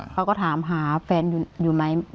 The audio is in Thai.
เขาก็ถามหาแฟนอยู่ไหม